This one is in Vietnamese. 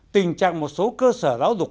tình trạng một số cơ sở giáo dục